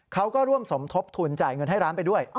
เขาก็ร่วมสมทบทุนจ่ายเงินให้ร้านไปด้วย